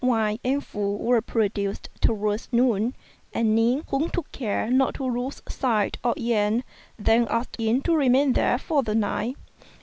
Wine and food were produced towards noon ; and Ning, who took care not to lose sight of Yen, then asked him to remain there for the night.